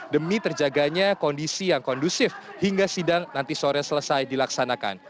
demi terjaganya kondisi yang kondusif hingga sidang nanti sore selesai dilaksanakan